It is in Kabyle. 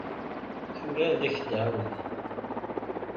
Tura ad ak-d-ɛawdeɣ.